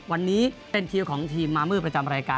วันนี้เป็นคิวของทีมมามืดประจำรายการ